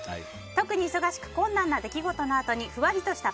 特に忙しく困難な出来事のあとにふわっとした。